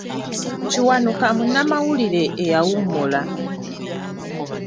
Kiwanuka munnamawulire eyawummula.